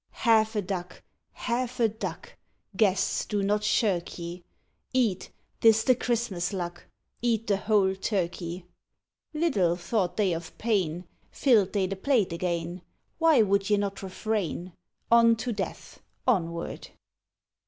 " Half a duck, half a duck, Guests do not shirk ye ; Eat, 'tis the Christmas luck, Eat a whole turkey !" Little thought they of pain, Filled they the plate again. Why would ye not refrain ? On to death, onward